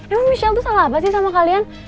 emang michelle tuh salah apa sih sama kalian